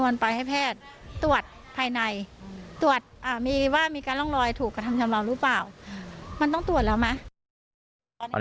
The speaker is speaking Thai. แล้วทำไมแพทย์หรือตำรวจ